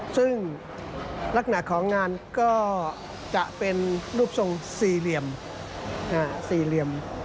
ซึ่งลักหน่าของงานก็จะเป็นรูปทรงสี่เหลี่ยม